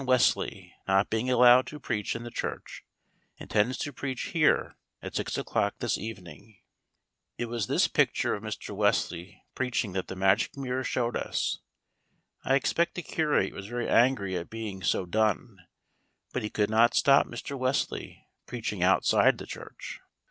WESLEY, NOT BEING ALLOWED TO PREACH IN THE CHURCH, INTENDS TO PREACH HERE AT SIX O'CLOCK THIS EVENING." It was this picture of Mr. Wesley preaching that the Magic Mirror showed us. I expect the curate was very angry at being so "done;" but he could not stop Mr. Wesley preaching outside the church.